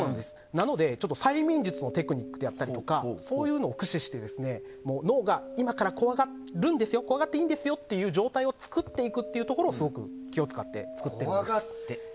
なので催眠術のテクニックだったりそういうのを駆使して脳が今から怖がるんですよ怖がっていいんですよという状態を作っていくというところに気を使って作っています。